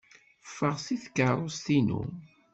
Ffeɣ seg tkeṛṛust-inu!